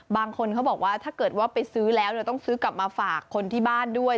บางคนเขาบอกว่าถ้าเกิดว่าไปซื้อแล้วต้องซื้อกลับมาฝากคนที่บ้านด้วย